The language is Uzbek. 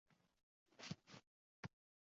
Qarsillab sinarsa suyaklaringiz?